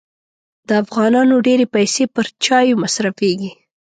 د افغانانو ډېري پیسې پر چایو مصرفېږي.